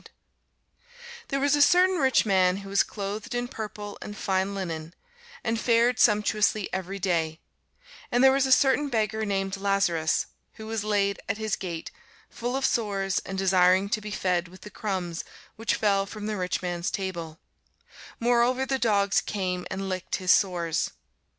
[Sidenote: St. Luke 17] There was a certain rich man, which was clothed in purple and fine linen, and fared sumptuously every day: and there was a certain beggar named Lazarus, which was laid at his gate, full of sores, and desiring to be fed with the crumbs which fell from the rich man's table: moreover the dogs came and licked his sores.